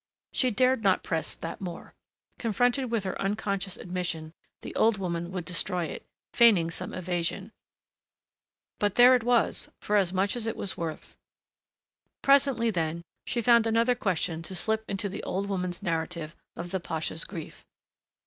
She dared not press that more. Confronted with her unconscious admission the old woman would destroy it, feigning some evasion. But there it was, for as much as it was worth.... Presently then, she found another question to slip into the old woman's narrative of the pasha's grief.